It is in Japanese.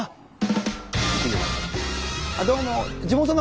どうも！